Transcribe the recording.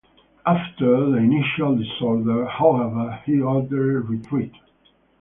After the initial disorder, however, he ordered retreat.